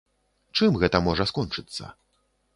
Чым гэта можа скончыцца?